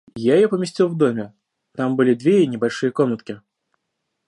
Я ее поместил в доме... там были две небольшие комнатки.